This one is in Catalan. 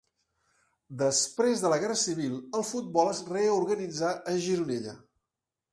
Després de la Guerra Civil el futbol es reorganitzà a Gironella.